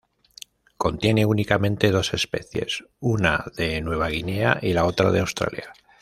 Contiene únicamente dos especies, una de Nueva Guinea y la otra de Australia.